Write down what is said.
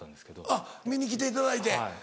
あっ見に来ていただいて。